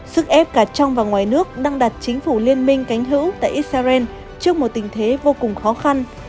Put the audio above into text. sức ép cả trong và ngoài nước đang đặt chính phủ liên minh cánh hữu tại israel trước một tình thế vô cùng khó khăn